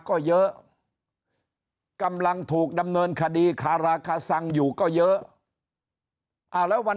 ก็เยอะกำลังถูกดำเนินคดีคาราคาซังอยู่ก็เยอะแล้ววัน